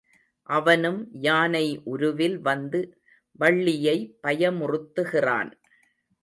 அவனும் யானை உருவில் வந்து வள்ளியை பயமுறுத்துகிறான்.